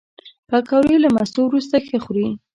پکورې له مستو وروسته ښه خوري